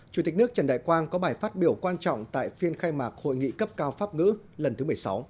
chủ tịch nước trần đại quang có bài phát biểu quan trọng tại phiên khai mạc hội nghị cấp cao pháp ngữ lần thứ một mươi sáu